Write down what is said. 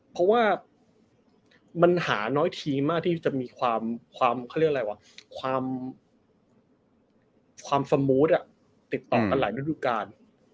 เพราะว่ามันหาน้อยทีมมากที่จะมีความสมูทติดต่อกันหลายรุ่นอยู่กัน